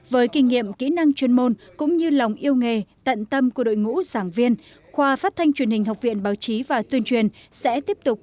với kinh nghiệm kỹ năng chuyên môn cũng như lòng yêu nghề tận tâm của đội ngũ giảng viên khoa phát thanh truyền hình học viện báo chí và tuyên truyền sẽ tiếp tục